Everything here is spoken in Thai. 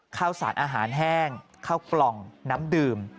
ข้าวสารอาหารแห้งข้าวกล่องน้ำดื่ม